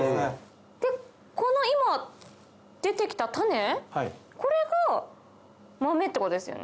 この今出て来た種これが豆ってことですよね？